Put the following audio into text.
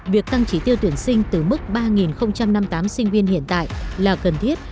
việc tăng trí tiêu tuyển sinh từ mức ba năm mươi tám sinh viên hiện tại là cần thiết